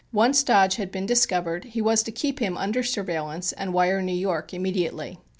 Once Dodge had been discovered he was to keep him under surveillance and wire New York immediately.